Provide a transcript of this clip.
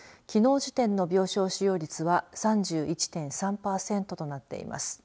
きのう時点の病床使用率は３１．３パーセントとなっています。